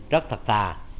rất thật thà